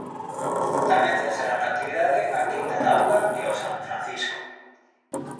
Tamén cesaron a actividade "A quinta da Auga" e o "San Francisco".